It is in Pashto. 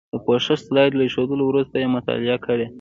د پوښښ سلایډ له ایښودلو وروسته یې مطالعه کړئ.